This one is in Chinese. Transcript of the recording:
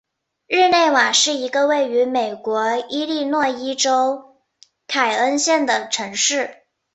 日内瓦是一个位于美国伊利诺伊州凯恩县的城市。